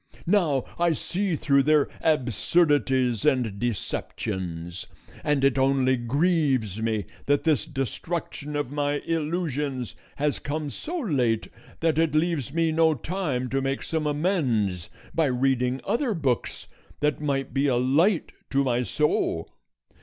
Now I see through their absurdities and deceptions, and it only grieves me that this destruction of my illusions has come so late that it leaves me no time to make some amends by reading other books that might be a light to my soul.